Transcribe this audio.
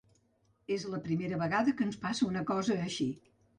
És la primera vegada que ens passa una cosa així.